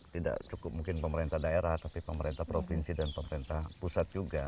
tidak cukup mungkin pemerintah daerah tapi pemerintah provinsi dan pemerintah pusat juga